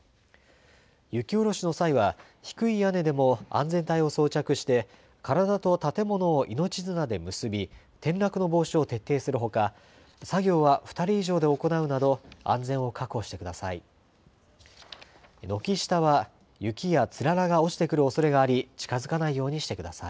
雪下ろしの際は低い屋根でも安全帯を装着して体と建物を命綱で結び転落の防止を徹底するほか作業は２人以上で行うなど安全を確保してください。